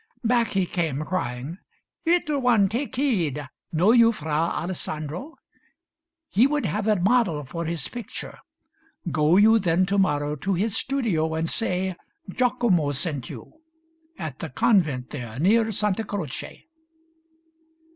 — Back he came crying, '' Little one, take heed ! Know you Fra Alessandro ? He would have A model for his picture. Go you then To morrow to his studio and say A MATER DOLOROSA 465 Giacomo sent you. At the convent there, Near Santa Croce."